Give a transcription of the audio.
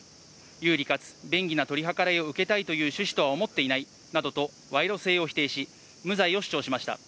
有利かつ便宜な取り計らいを受けたいという趣旨とは思っていないなどと、賄賂性を否定し、無罪を主張しました。